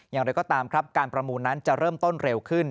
อย่างไรก็ตามครับการประมูลนั้นจะเริ่มต้นเร็วขึ้น